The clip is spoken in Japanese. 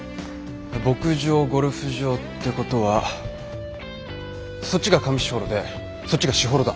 牧場ゴルフ場ってことはそっちが上士幌でそっちが士幌だ。